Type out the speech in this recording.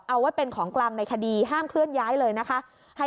เอาไว้เป็นของกลางในคดีห้ามเคลื่อนย้ายเลยนะคะ